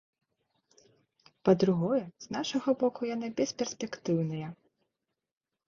Па-другое, з нашага боку яны бесперспектыўныя.